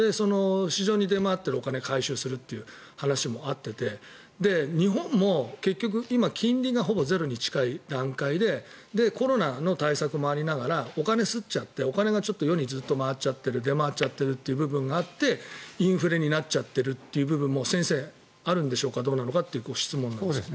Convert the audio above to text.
市場に出回ってるお金を回収するという話もあって日本も結局今、金利がほぼゼロに近い段階でコロナの対策もありながらお金を刷っちゃってお金が世にずっと出回っちゃっているという部分があってインフレになっちゃってるっていう部分も先生、あるんでしょうかどうなのかという質問ですが。